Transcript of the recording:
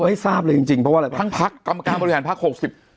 ให้ทราบเลยจริงจริงเพราะว่าอะไรทั้งพักกรรมการบริหารพักหกสิบ